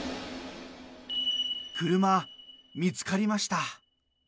車、見つかりました。